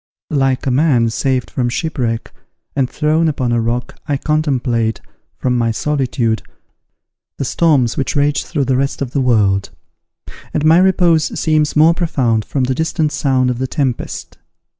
Like a man saved from shipwreck, and thrown upon a rock, I contemplate, from my solitude, the storms which rage through the rest of the world; and my repose seems more profound from the distant sound of the tempest.